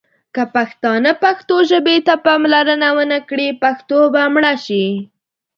که پښتانه پښتو ژبې ته پاملرنه ونه کړي ، پښتو به مړه شي.